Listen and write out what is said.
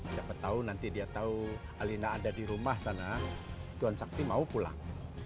siapa tahu nanti dia tahu alina ada di rumah sana tuhan sakti mau pulang